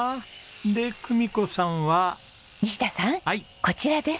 で久美子さんは？西田さんこちらです。